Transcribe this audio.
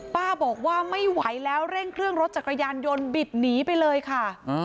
ป้าบอกว่าไม่ไหวแล้วเร่งเครื่องรถจักรยานยนต์บิดหนีไปเลยค่ะ